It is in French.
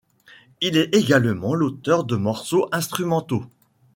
Il est également l'auteur de morceaux instrumentaux.